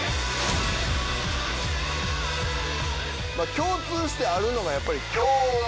共通してあるのがやっぱり強運。